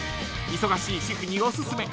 忙しい主婦にお薦め］